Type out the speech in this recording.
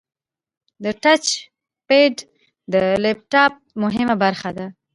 د ټچ پیډ د لپټاپ مهمه برخه ده.